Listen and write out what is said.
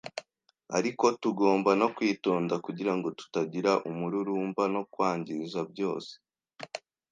ariko tugomba no kwitonda kugirango tutagira umururumba no kwangiza byose.